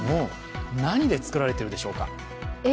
何で作られているでしょうか？